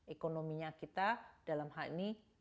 ekonominya kita dalam hal ini